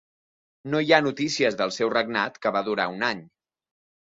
No hi ha notícies del seu regnat que va durar un any.